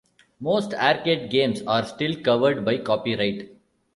Most arcade games are still covered by copyright.